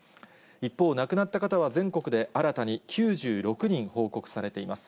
一方、亡くなった方は全国で、新たに９６人報告されています。